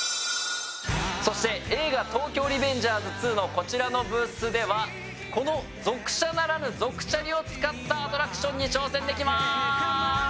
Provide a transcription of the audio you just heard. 映画「東京リベンジャーズ２」のこちらのブースでは族車ならぬ族チャリを使ったアトラクションに挑戦できます！